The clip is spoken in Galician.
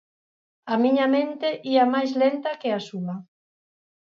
A miña mente ía mais lenta que a súa.